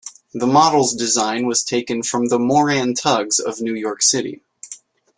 The models' design was taken from the Moran Tugs of New York City.